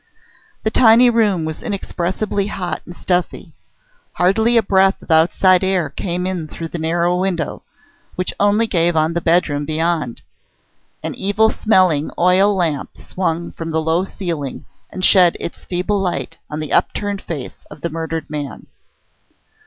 The tiny room was inexpressibly hot and stuffy. Hardly a breath of outside air came in through the narrow window, which only gave on the bedroom beyond. An evil smelling oil lamp swung from the low ceiling and shed its feeble light on the upturned face of the murdered man.